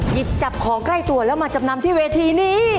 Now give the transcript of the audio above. หยิบจับของใกล้ตัวแล้วมาจำนำที่เวทีนี้